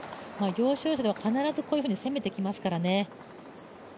要所要所では必ずこういうふうに攻めてきますからね。